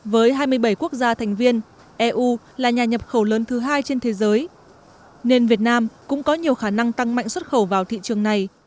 với hai mươi bảy quốc gia thành viên eu là nhà nhập khẩu lớn thứ hai trên thế giới nên việt nam cũng có nhiều khả năng tăng mạnh xuất khẩu vào thị trường này